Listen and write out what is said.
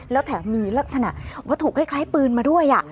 แล้วแถมมีลักษณะวัตถุคล้ายปืนมาด้วย